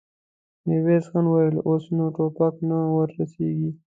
ميرويس خان وويل: اوس نو ټوپک نه ور رسېږي.